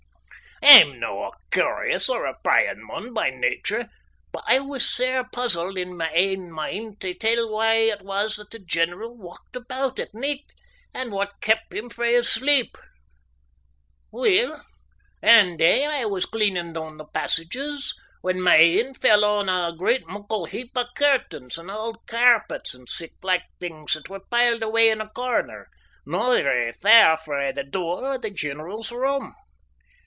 I'm no' a curious or a pryin' mun by nature, but I was sair puzzled in my ain mind tae tell why it was that the general walked aboot at nicht and what kept him frae his sleep. Weel, ane day I was cleanin' doon the passages when my e'e fell on a great muckle heap o' curtains and auld cairpets and sic' like things that were piled away in a corner, no vera far frae the door o' the general's room.